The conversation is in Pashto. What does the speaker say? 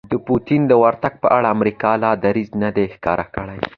د پوتین د ورتګ په اړه امریکا لا دریځ نه دی ښکاره کړی